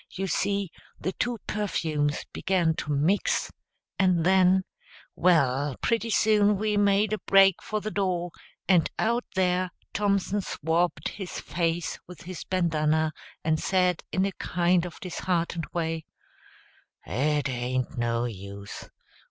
You see the two perfumes began to mix, and then well, pretty soon we made a break for the door; and out there Thompson swabbed his face with his bandanna and said in a kind of disheartened way, "It ain't no use.